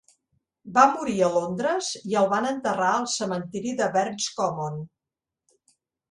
Va morir a Londres i el van enterrar al cementiri de Barnes Common.